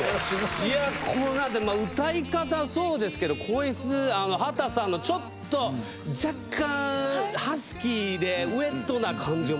これなんて、歌い方、そうですけど、声質、秦さんのちょっと若干ハスキーで、ウェットな感じを。